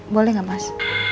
boleh gak mas